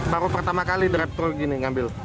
baru pertama kali drive truk gini ngambil